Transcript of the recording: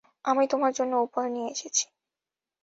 আমি তোমার জন্য উপহার নিয়ে এসেছি।